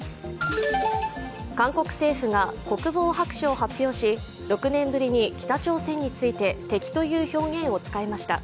韓国政府が国防白書を発表し６年ぶりに北朝鮮について「敵」という表現を使いました。